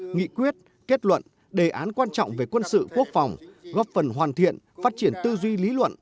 nghị quyết kết luận đề án quan trọng về quân sự quốc phòng góp phần hoàn thiện phát triển tư duy lý luận